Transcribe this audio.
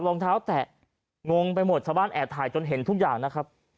รองเท้าแตะงงไปหมดชาวบ้านแอบถ่ายจนเห็นทุกอย่างนะครับ